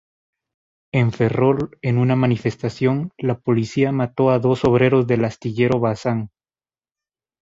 En Ferrol, en una manifestación, la policía mató a dos obreros del astillero Bazán.